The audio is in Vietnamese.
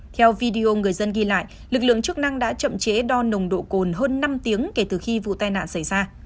theo video người dân ghi lại lực lượng chức năng đã chậm chế đo nồng độ cồn hơn năm tiếng kể từ khi vụ tai nạn xảy ra